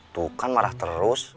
tuh kan marah terus